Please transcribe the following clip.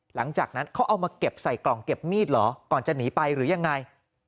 หลังจากนั้นเขาเอามาเก็บใส่กล่องเก็บมีดเหรอก่อนจะหนีไปหรือยังไง